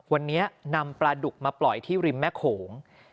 วันนี้นำปลาดุกมาปล่อยที่ริมแม่โขง